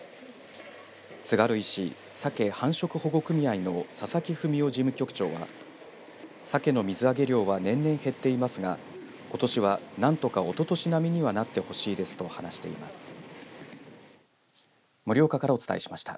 津軽石さけ繁殖保護組合の佐々木章雄事務局長はさけの水揚げ量は年々減っていますがことしは、なんとかおととし並みになってほしいですと話していました。